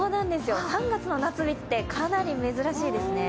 ３月の夏日ってかなり珍しいですね。